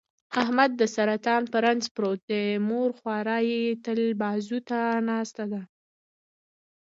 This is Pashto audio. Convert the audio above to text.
احمد د سرطان په رنځ پروت دی، مور خواره یې تل بازوته ناسته ده.